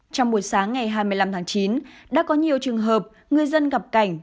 trong buổi sáng ngày hai mươi năm tháng chín đã có nhiều trường hợp người dân gặp cảnh